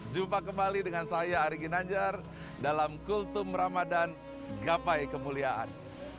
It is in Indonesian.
jumpa kembali dengan saya ari ginanjar dalam kultum ramadhan gapai kemuliaan